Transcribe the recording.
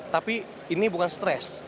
tapi ini bukan stres